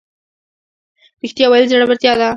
رښتیا ویل زړورتیا ده